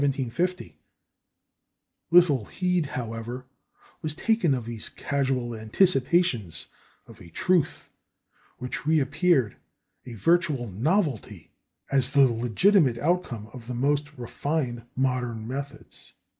Little heed, however, was taken of these casual anticipations of a truth which reappeared, a virtual novelty, as the legitimate outcome of the most refined modern methods.